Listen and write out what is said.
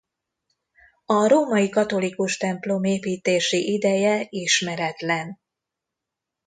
A római katolikus templom építési ideje ismeretlen.